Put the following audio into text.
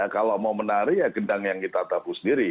kalau mau menari ya gendang yang kita tabu sendiri